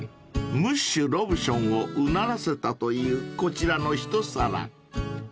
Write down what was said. ［ムッシュロブションをうならせたというこちらの一皿］